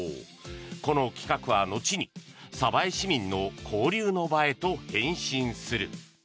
この企画は後に鯖江市民の交流の場へと変身する。